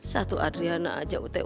satu adriana aja teh